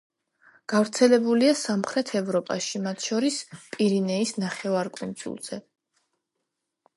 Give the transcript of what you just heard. გავრცელებულია სამხრეთ ევროპაში, მათ შორის პირენეს ნახევარკუნძულზე.